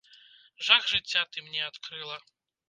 Жах жыцця ты мне адкрыла.